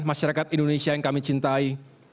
masyarakat indonesia yang kami cintai